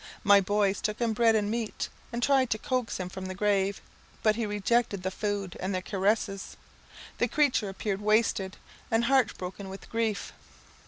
My boys took him bread and meat, and tried to coax him from the grave; but he rejected the food and their caresses. The creature appeared wasted and heartbroken with grief.